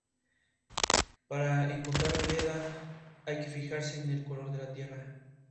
Presenta inflorescencias en panículas con flores de color blanco fuertemente fragantes.